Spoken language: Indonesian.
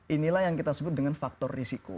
inilah yang kita sebut dengan faktor risiko